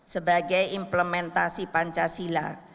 sebagai implementasi pancasila